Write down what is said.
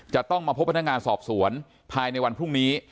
จะต้องมาพบพนักงานสอบสวนภายในวันพรุ่งนี้